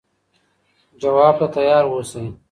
ځواب ته تیار اوسئ.